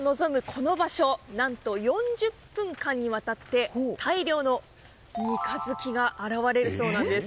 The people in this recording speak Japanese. この場所何と４０分間にわたって大量の三日月が現れるそうです。